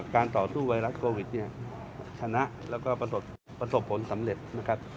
การต่อสู้ไวรัสโกวิดชนะและประสบผลสำเร็จ